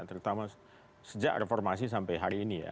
terutama sejak reformasi sampai hari ini ya